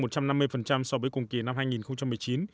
tăng một trăm năm mươi so với cùng kỳ năm hai nghìn một mươi chín